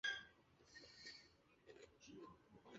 元至元十三年改婺州路。